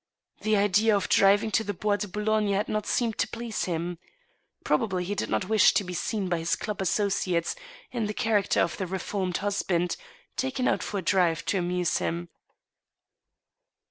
The idea of driving to the Bois de Boulogne had not seemed to please him. Probably he did not wish to be seen by his club associates 58 THE STEEL HAMMER. in the character of the reformed husband, taken out for a drive to amuse him.